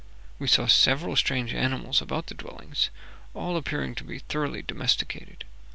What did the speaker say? We saw several strange animals about the dwellings, all appearing to be thoroughly domesticated.